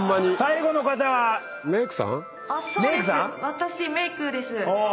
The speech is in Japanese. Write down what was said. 私メイクです。